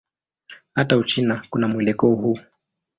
Hata Uchina kuna mwelekeo huu.